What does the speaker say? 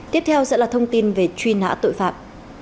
tiếp theo sẽ là thông tin về truy nã tội phạm